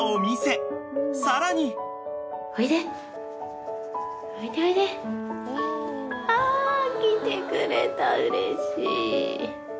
［さらに］あ来てくれたうれしい。